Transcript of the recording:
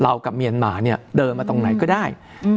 กับเมียนมาเนี่ยเดินมาตรงไหนก็ได้